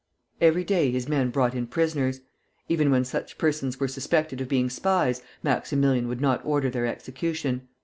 Every day his men brought in prisoners. Even when such persons were suspected of being spies, Maximilian would not order their execution.